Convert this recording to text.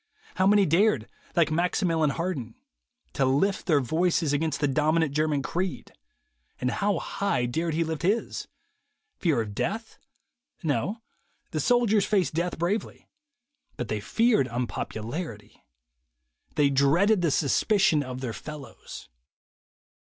How many dared, like Maximilien Harden, to lift their voices against the dominant German creed, and how high dared he lift his? Fear of death? No; the soldiers faced death bravely. But they feared un popularity. They dreaded the suspicion of their fellows.